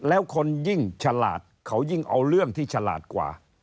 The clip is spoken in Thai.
แล้วคนยิ่งฉลาดเขายิ่งเอาเรื่องที่ฉลาดกว่า